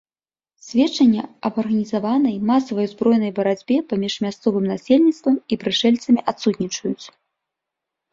Сведчанні аб арганізаванай, масавай узброенай барацьбе паміж мясцовым насельніцтвам і прышэльцамі адсутнічаюць.